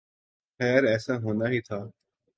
خیر ایسا ہونا ہی تھا۔